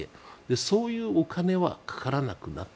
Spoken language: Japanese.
そういうお金はかからなくなった。